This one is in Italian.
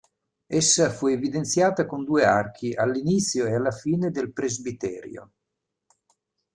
Essa fu evidenziata con due archi all'inizio e alla fine del presbiterio.